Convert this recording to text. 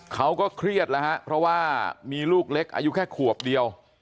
เขาก็เครียดแล้วฮะเพราะว่ามีลูกเล็กอายุแค่ขวบเดียว